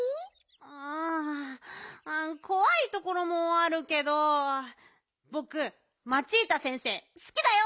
ううんこわいところもあるけどぼくマチータ先生すきだよ！